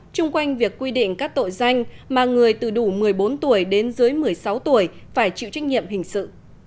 trung quanh việc quy định các tội danh mà người từ đủ một mươi bốn tuổi đến dưới một mươi sáu tuổi phải chịu trách nhiệm hình sự